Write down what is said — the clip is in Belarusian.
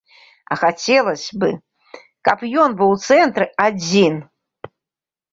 А хацелася б, каб ён быў у цэнтры, адзін.